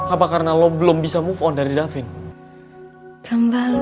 apa karena lo belum bisa move on dari diving